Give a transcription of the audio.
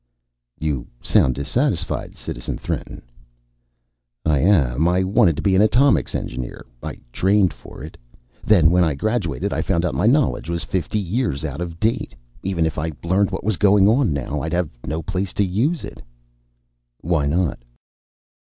"You sound dissatisfied, Citizen Threnten." "I am. I wanted to be an atomics engineer. I trained for it. Then when I graduated, I found out my knowledge was fifty years out of date. Even if I learned what was going on now, I'd have no place to use it." "Why not?"